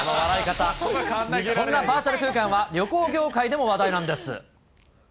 そんなバーチャル空間は、旅行業界でも話題なんです。